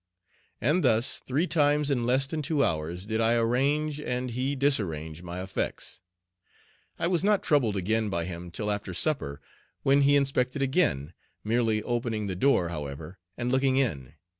And thus three times in less than two hours did I arrange and he disarrange my effects. I was not troubled again by him till after supper, when he inspected again, merely opening the door, however, and looking in.